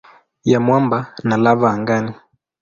ya mwamba na lava angani.